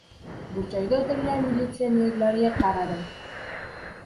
Burchakda o‘tirgan militsionerlarga qaradim.